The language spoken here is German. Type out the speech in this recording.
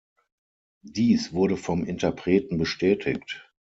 Dies wurde vom Interpreten bestätigt.